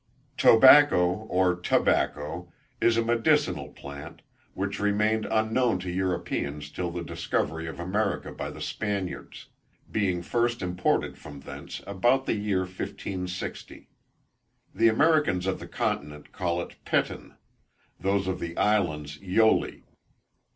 _ Tobacco, or Tabacco, is a medicinal plant, which remained unknown to Europeans till the discovery of America by the Spaniards; being first imported from thence about the year 1560. The Americans of the continent called it Petun; those of the islands, Yoli.